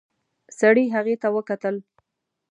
سړي هغې ته وکتل.